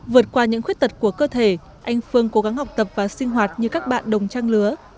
vượt qua những khuyết tật của cơ thể anh phương cố gắng học tập và sinh hoạt như các bạn đồng trang lứa